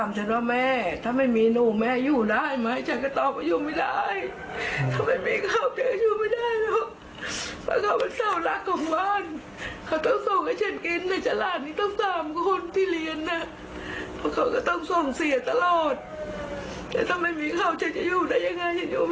ไม่ได้หรอกฉันก็บอกว่ากันไม่ได้จริง